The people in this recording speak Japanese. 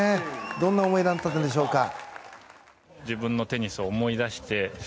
どんな思いだったんでしょうか？